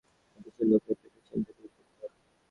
ধর্মকথা শোনাতে হলে আগে এদেশের লোকের পেটের চিন্তা দূর করতে হবে।